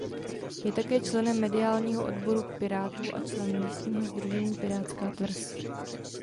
Je také členem mediálního odboru Pirátů a člen místního sdružení Pirátská Tvrz.